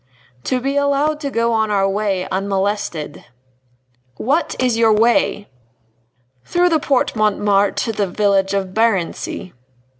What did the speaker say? "To be allowed to go on our way unmolested." "What is your way?" "Through the Porte Montmartre to the village of Barency."